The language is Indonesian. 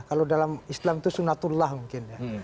kalau dalam islam itu sunatullah mungkin ya